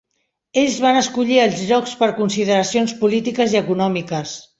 Ells van escollir els llocs per consideracions polítiques i econòmiques.